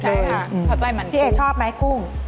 ใช่ค่ะเพราะใกล้มันกุ้งพี่เอชอบไหมกุ้ง